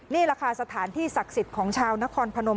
นี่แหละค่ะสถานที่ศักดิ์สิทธิ์ของชาวนครพนม